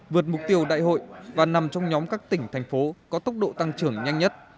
vượt mục tiêu đại hội và nằm trong nhóm các tỉnh thành phố có tốc độ tăng trưởng nhanh nhất